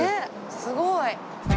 すごい！